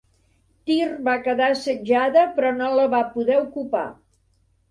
Tir va quedar assetjada però no la va poder ocupar.